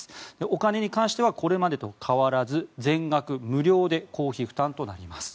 お金に関してはこれまでと変わらず全額無料で公費負担となります。